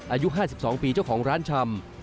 อายุ๕๒ปีเจ้าของร้านชำ